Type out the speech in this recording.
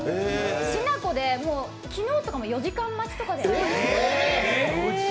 しなこで昨日とかも４時間待ちとかだよね。